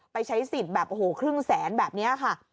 ใช้สิทธิ์แบบโอ้โหครึ่งแสนแบบนี้ค่ะ